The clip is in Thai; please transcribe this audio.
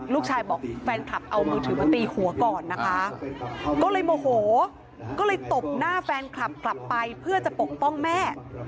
ลูกชายบอกแฟนคลับเอามือถือมาตีหัวก่อนนะคะก็เลยโมโหก็เลยตบหน้าแฟนคลับกลับไปเพื่อจะปกป้องแม่